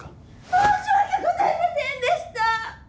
申し訳ございませんでした！